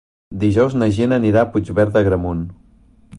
Dijous na Gina anirà a Puigverd d'Agramunt.